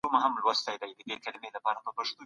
چې موږ ته یې دا شتمني راکړه.